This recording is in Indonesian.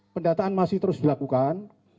pendataan masih terus dilakukan